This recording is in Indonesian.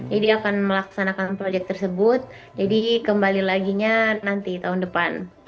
jadi akan melaksanakan proyek tersebut jadi kembali laginya nanti tahun depan